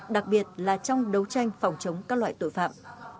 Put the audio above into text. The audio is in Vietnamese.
đặc biệt là trong đấu tranh phòng chống các loại tội phạm